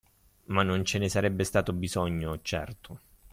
Ma non ce ne sarebbe stato bisogno, certo.